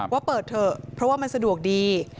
ว่าเปิดเถอะเพราะว่ามันสะดวกดี